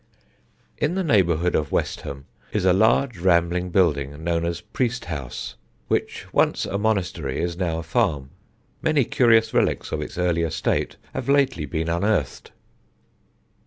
In the neighbourhood of Westham is a large rambling building known as Priesthaus, which, once a monastery, is now a farm. Many curious relics of its earlier state have lately been unearthed.